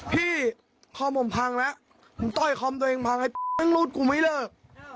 คอมผมพังแล้วผมต้อยคอมตัวเองพังรูดกูไม่เลิก